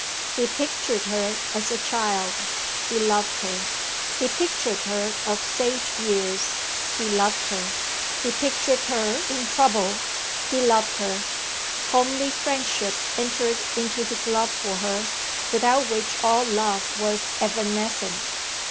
He pictured her as a child: he loved her. He pictured her of sage years: he loved her. He pictured her in trouble; he loved her. Homely friendship entered into his love for her, without which all love was evanescent.